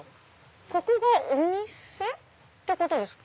ここがお店ってことですか？